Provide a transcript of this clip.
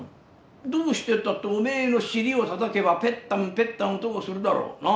どうしてったって、おめえの尻をたたけばぺったんぺったん音がするだろう、なあ？